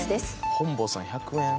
「本坊さん１００円」